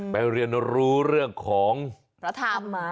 เรียนรู้เรื่องของพระธรรมมา